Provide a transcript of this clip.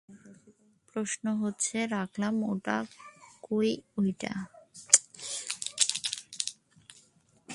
প্রশ্ন হচ্ছেঃ রাখলাম কই ঐটা?